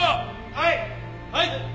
はい。